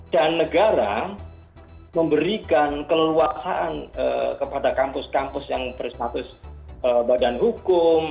dan negara memberikan keleluasan kepada kampus kampus yang berstatus badan hukum